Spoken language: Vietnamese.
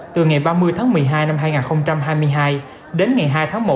từ ngày ba mươi tháng một mươi hai năm hai nghìn hai mươi hai đến ngày hai tháng một năm hai nghìn hai mươi ba